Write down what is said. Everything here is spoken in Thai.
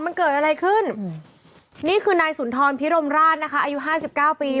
มันเกิดอะไรขึ้นนี่คือนายสุนทรพิรมราชนะคะอายุ๕๙ปี